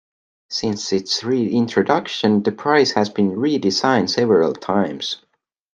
Since its reintroduction, the prize has been redesigned several times.